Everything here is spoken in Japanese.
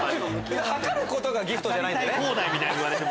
測ることがギフトじゃないんでね。